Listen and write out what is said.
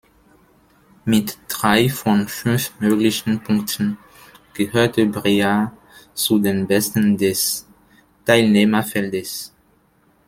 Mit drei von fünf möglichen Punkten gehörte Brier zu den Besten des Teilnehmerfeldes.